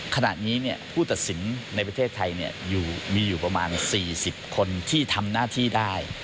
ขณะนี้ผู้ตัดสินในประเทศไทยมีอยู่ประมาณ๔๐คนที่ทำหน้าที่ได้